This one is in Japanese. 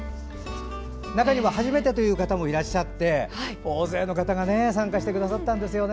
中には初めてという方もいらっしゃって大勢の方が参加してくださったんですよね。